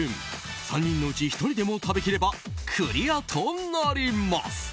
３人のうち１人でも食べきればクリアとなります。